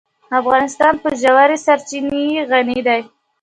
افغانستان په ژورې سرچینې غني دی.